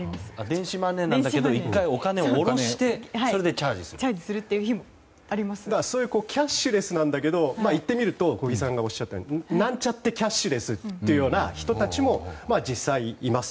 電子マネーなんだけど１回、お金を下ろしてキャッシュレスなんだけどいってみると小木さんがおっしゃったなんちゃってキャッシュレスというような人たちも実際にいます。